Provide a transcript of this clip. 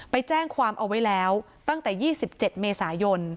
ไปแจ้งความเอาไว้แล้วตั้งแต่๒๗เมษายน